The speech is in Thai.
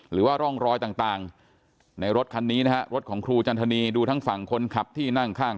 หรือว่าร่องรอยต่างในรถคันนี้นะฮะรถของครูจันทนีดูทั้งฝั่งคนขับที่นั่งข้าง